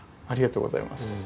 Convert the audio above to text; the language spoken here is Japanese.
ありがとうございます。